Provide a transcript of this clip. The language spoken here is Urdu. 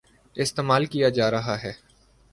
استعمال کیا جارہا ہے ۔